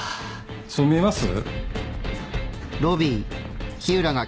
そう見えます？